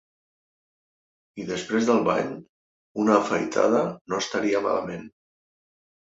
I després del bany, una afaitada no estaria malament.